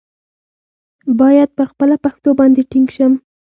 باید پر خپله پښتو باندې ټینګ شم.